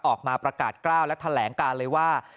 ออกมาประกาศกล้าวและแถลงการเลยว่า